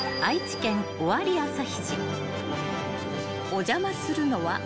［お邪魔するのは］